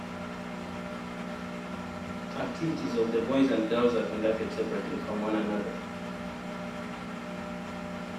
Activities of the boys and girls are conducted separately from one another.